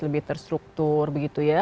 lebih terstruktur begitu ya